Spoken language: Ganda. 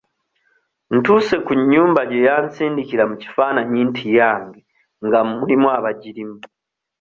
Ntuuse ku nnyumba gye yansindikra mu kifaananyi nti yange nga mulimu abagirimu.